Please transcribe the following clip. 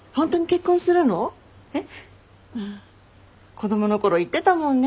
子供の頃言ってたもんね。